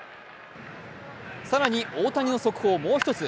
更に大谷の速報をもう一つ。